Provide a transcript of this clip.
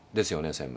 専務。